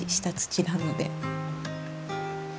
下土なので。